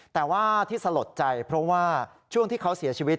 แต่ว่าที่สลดใจเพราะว่าช่วงที่เขาเสียชีวิต